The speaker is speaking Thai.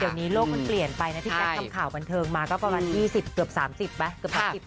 เดี๋ยวนี้โลกมันเปลี่ยนไปนะที่แกดข่าวบันเทิงมาก็ประมาณ๒๐เหลือเกือบ๓๐ปรั๊ด